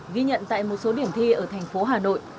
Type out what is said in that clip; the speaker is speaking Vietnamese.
ghi nhận tại một số điểm thi ở thành phố hà nội